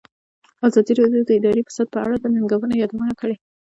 ازادي راډیو د اداري فساد په اړه د ننګونو یادونه کړې.